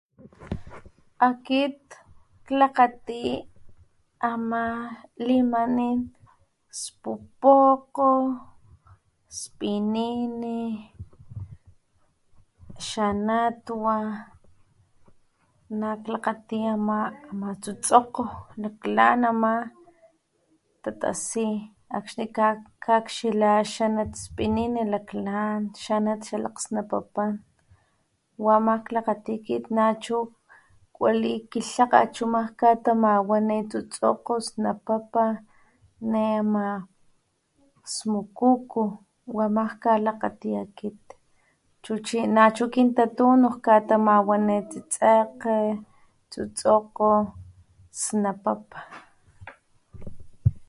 Akit klakgati ama limanin spupokgo, spinini xanatwa, naklakgati ama tsutsokgo laklan ama tatasi akxni kakxila xanat spinini laklan xanat xalakg snapapa wa ama klakgati akit nachu kuali kilhakgat chu ne katamawanit tsutsokgo snapapa ne ama smukuku wa ama kalakgati akit nachu kintatunu katamawa netsitsekge, tsutsokgo snapapa,